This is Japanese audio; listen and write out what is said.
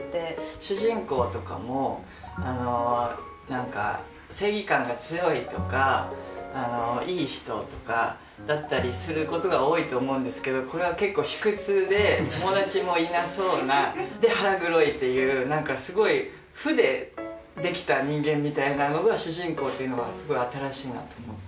主人公とかもあの何か正義感が強いとかいい人とかだったりすることが多いと思うんですけどこれは結構卑屈で友達もいなそうなで腹黒っていう何かすごい負で出来た人間みたいなのが主人公っていうのはすごい新しいなと思って。